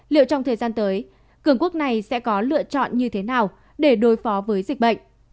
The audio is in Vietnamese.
liệu trong thời gian tới cường quốc này sẽ có lựa chọn như thế nào để đối phó với dịch bệnh